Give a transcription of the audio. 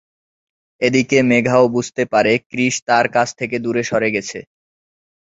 এদিকে "মেঘা"ও বুঝতে পারে "কৃষ" তার কাছ থেকে দূরে সরে গেছে।